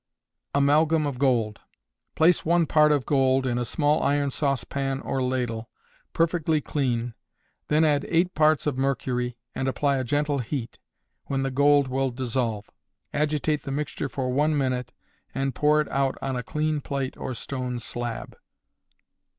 Amalgam of Gold. Place one part of gold in a small iron saucepan or ladle, perfectly clean, then add 8 parts of mercury, and apply a gentle heat, when the gold will dissolve; agitate the mixture for one minute, and pour it out on a clean plate or stone slab.